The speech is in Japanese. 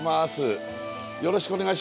よろしくお願いします。